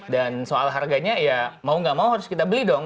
dan soal harganya mau nggak mau harus kita beli dong